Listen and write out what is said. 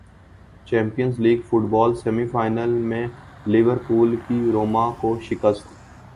champions league football semi final میں Liverpool کی روما کو شکست